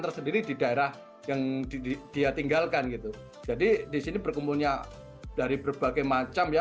tersendiri di daerah yang didiak tinggalkan gitu jadi di sini berkembang nya dari berbagai macam runs